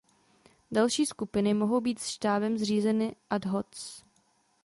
Další skupiny mohou být Štábem zřízeny ad hoc.